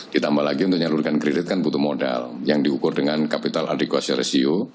ditambah lagi untuk nyalurkan kredit kan butuh modal yang diukur dengan capital adricution ratio